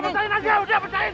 pecahin aja udah pecahin